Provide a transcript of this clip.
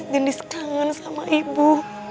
gendis kangen sama ibu